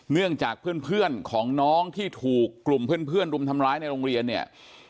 เนื่องจากเพื่อนของน้องที่ถูกกลุ่มเพื่อนรุมทำร้ายในโรงเรียนเนี่ย